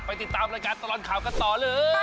ไปติดตามวันการตอนข่าวก็ต่อเลย